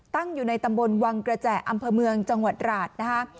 ตั้งอยู่ในตำบลวังกระแจอำเภอเมืองจังหวัดราชนะคะ